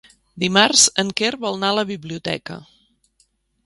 Dimarts en Quer vol anar a la biblioteca.